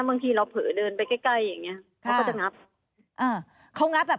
บางทีเราเผลอเดินไปใกล้อย่างนี้เขาก็จะงับ